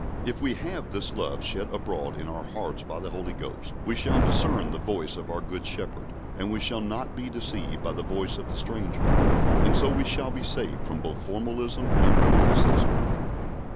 If we have this love shed abroad in our hearts by the Holy Ghost, we shall discern the voice of our Good Shepherd, and we shall not be deceived by the voice of the stranger; and so we shall be saved from both formalism and fanaticism.